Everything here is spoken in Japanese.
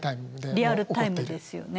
リアルタイムですよね。